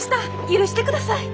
許してください。